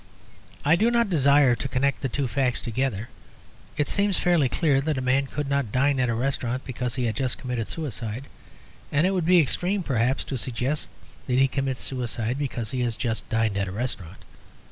I do not desire to connect the two facts together. It seems fairly clear that a man could not dine at a restaurant because he had just committed suicide; and it would be extreme, perhaps, to suggest that he commits suicide because he has just dined at a restaurant.